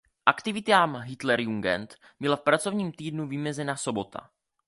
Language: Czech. Aktivitám Hitlerjugend byla v pracovním týdnu vymezena sobota.